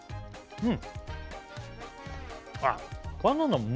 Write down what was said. うん！